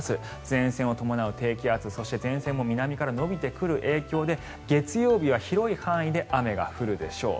前線を伴う低気圧そして前線も南から延びてくる影響で月曜日は広い範囲で雨が降るでしょう。